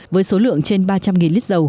với số lượng trên ba trăm linh lít dầu